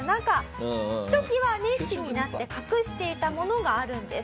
ひときわ熱心になって隠していたものがあるんです。